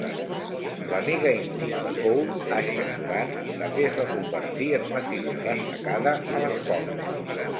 L'amiga íntima de Cole, Asher Durand, també es va convertir en una figura destacada a l'escola.